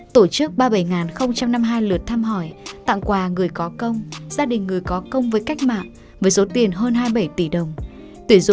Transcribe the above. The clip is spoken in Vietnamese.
tổ chức ba mươi bảy năm mươi hai lượt thăm hỏi tặng quà người có công gia đình người có công với cách mạng với số tiền hơn hai mươi bảy tỷ đồng